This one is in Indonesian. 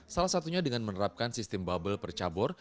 salah satunya dengan menerapkan sistem bubble percabur